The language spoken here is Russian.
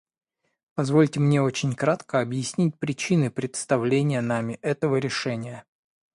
Позвольте мне очень кратко объяснить причины представления нами этого решения.